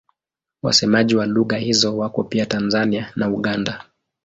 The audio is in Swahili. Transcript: Wasemaji wa lugha hizo wako pia Tanzania na Uganda.